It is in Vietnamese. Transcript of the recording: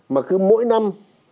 mà cứ mỗi năm